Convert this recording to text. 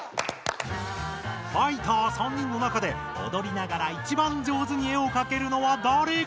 ファイター３人の中でおどりながらいちばん上手に絵をかけるのはだれか！？